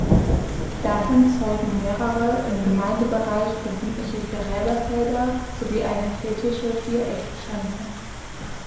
Davon zeugen mehrere im Gemeindebereich befindliche Gräberfelder sowie eine keltische Viereckschanze.